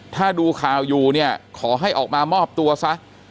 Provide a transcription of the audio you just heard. ถ้าดูข่าวอยู่เนี่ยขอให้ออกมามอบตัวซะ